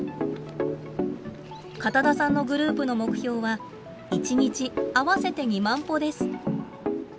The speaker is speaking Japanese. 片田さんのグループの目標は１日合わせて２万歩です。